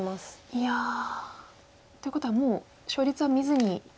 いやということはもう勝率は見ずにいきますか。